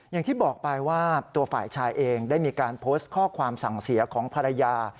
อย่างที่บอกไปว่าตัวฝ่ายชายเองได้มีการโพสต์ข้อความสั่งเสียของภรรยา